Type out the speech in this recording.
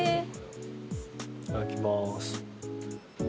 いただきます。